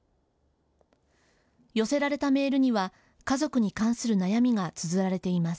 寄せられたメールには家族に関する悩みがつづられています。